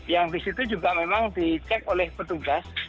yang disitu juga memang dicek oleh petugas